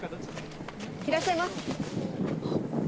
いらっしゃいまあっ。